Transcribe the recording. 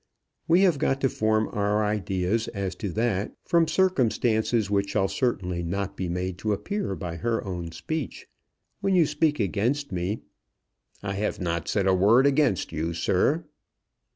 We have got to form our ideas as to that from circumstances which shall certainly not be made to appear by her own speech. When you speak against me " "I have not said a word against you, sir."